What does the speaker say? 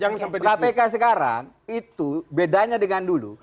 saya bilang kpk sekarang itu bedanya dengan dulu